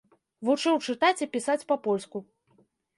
Вучыў чытаць і пісаць па-польску.